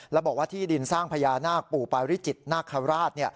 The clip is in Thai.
แล้วบอกว่าที่ดินสร้างพญานาคปู่ปาริจิตนาคาราช